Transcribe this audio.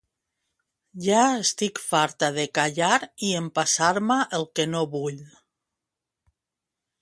Ja estic farta de callar i empassar-me el que no vull